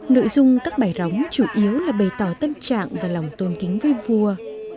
nội dung các bài róng chủ yếu là bày tỏ tâm trạng và lòng tôn kính với vua